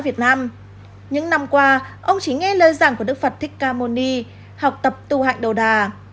việt nam những năm qua ông chỉ nghe lời giảng của đức phật thích cà môn ni học tập tu hạnh đầu đà